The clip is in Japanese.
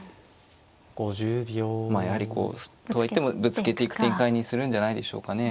まあやはりこうとはいってもぶつけていく展開にするんじゃないでしょうかね。